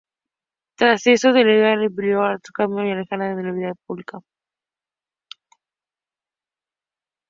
Tras esto, Hedilla vivió en el ostracismo y alejado de la vida pública.